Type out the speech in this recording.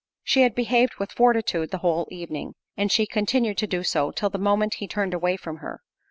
She had behaved with fortitude the whole evening, and she continued to do so, till the moment he turned away from her.